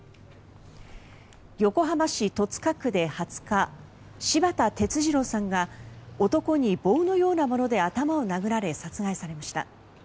横浜市戸塚区で２０日柴田哲二郎さんが男に棒のようなもので頭を殴られ殺害されました。